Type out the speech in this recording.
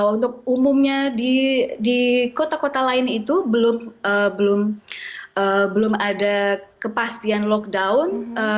untuk umumnya di kota kota lain itu belum ada kepastian lockdown